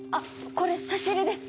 これ差し入れです